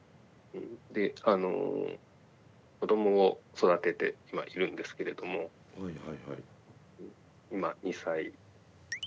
子どもを育てて今いるんですけれども今２歳もうすぐ３歳。